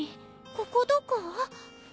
ここどこ？